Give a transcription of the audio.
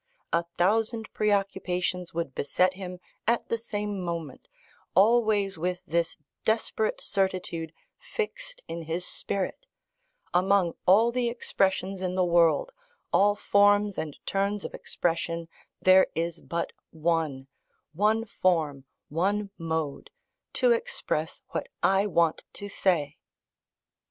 A thousand preoccupations would beset him at the same moment, always with this desperate certitude fixed in his spirit: Among all the expressions in the world, all forms and turns of expression, there is but one one form, one mode to express what I want to say.